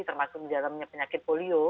termasuk di dalamnya penyakit polio